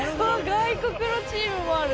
外国のチームもある！